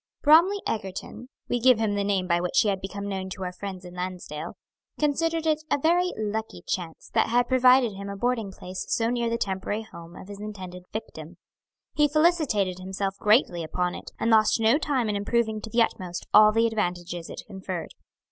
Bromly Egerton (we give him the name by which he had become known to our friends in Lansdale) considered it "a very lucky chance" that had provided him a boarding place so near the temporary home of his intended victim. He felicitated himself greatly upon it, and lost no time in improving to the utmost all the advantages it conferred.